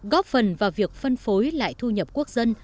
góp phần vào việc phân phối lại thu nhập quốc dân